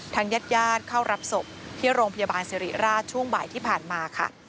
ญาติญาติเข้ารับศพที่โรงพยาบาลสิริราชช่วงบ่ายที่ผ่านมาค่ะ